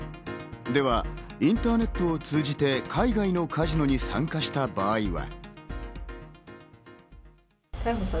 では、インターネットを通じて海外のカジノに参加した場合は。